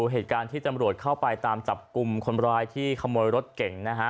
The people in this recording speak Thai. เหตุการณ์ที่ตำรวจเข้าไปตามจับกลุ่มคนร้ายที่ขโมยรถเก่งนะฮะ